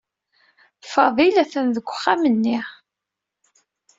Fadil atan deg uxxam-nni.